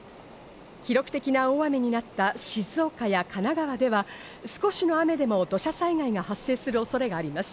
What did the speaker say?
記録的な大雨になった静岡や神奈川では、少しの雨でも土砂災害が発生する恐れがあります。